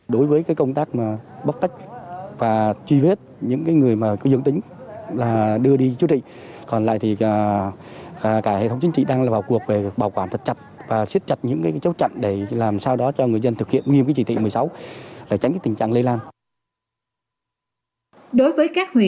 đối với các nguyện có số ca nhiễm ít cùng với kiểm soát chặt nguồn lây